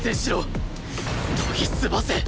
研ぎ澄ませ！